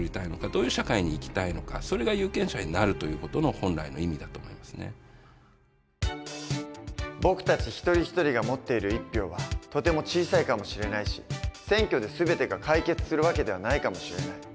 社会の中で僕たち一人一人が持っている１票はとても小さいかもしれないし選挙で全てが解決する訳ではないかもしれない。